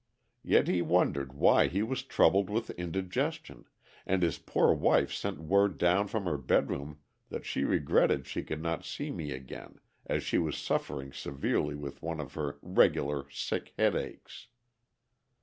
Yet he wondered why he was troubled with indigestion, and his poor wife sent word down from her bedroom that she regretted she could not see me again as she was suffering severely with one of her "regular" sick headaches.